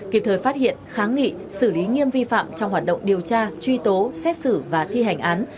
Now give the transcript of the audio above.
kịp thời phát hiện kháng nghị xử lý nghiêm vi phạm trong hoạt động điều tra truy tố xét xử và thi hành án